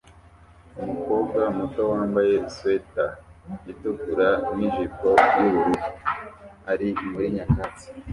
Umukobwa muto wambaye swater itukura nijipo yubururu ari muri nyakatsi